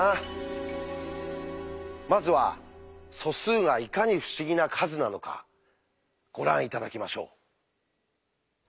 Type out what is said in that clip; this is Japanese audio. まずは素数がいかに不思議な数なのかご覧頂きましょう。